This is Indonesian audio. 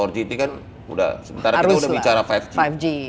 empat g itu kan sudah sementara kita sudah bicara lima g